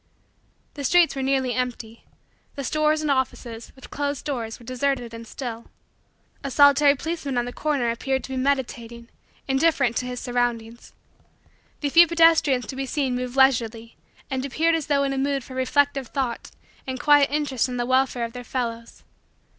The streets were nearly empty. The stores and offices, with closed doors, were deserted and still. A solitary policeman on the corner appeared to be meditating, indifferent to his surroundings. The few pedestrians to be seen moved leisurely and appeared as though in a mood for reflective thought and quiet interest in the welfare of their fellows.